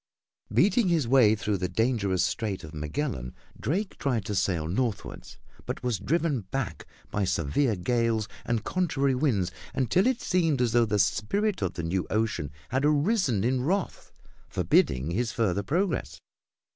Beating his way through the dangerous Strait of Magellan, Drake tried to sail northward, but was driven back by severe gales and contrary winds until it seemed as though the spirit of the new ocean had arisen in wrath, forbidding his further progress.